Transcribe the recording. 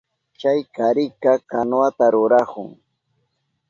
Chay karika kanuwata rurahun.